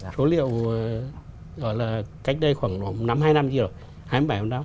số liệu gọi là cách đây khoảng năm hai năm chưa rồi